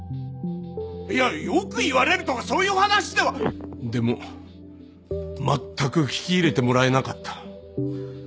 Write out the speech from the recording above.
いやよく言われるとかそういう話ではでもまったく聞き入れてもらえなかった。